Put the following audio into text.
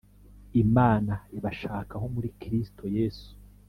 Imana ibashakaho muri Kristo Yesu